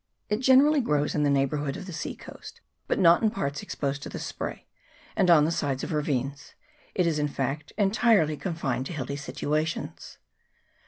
It generally grows in the neighbourhood of the sea coast, but not in parts exposed to the spray, and on the sides of ravines ; it is, in fact, entirely confined to hilly situations.